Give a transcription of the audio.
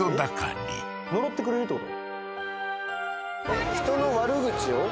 呪ってくれるってこと？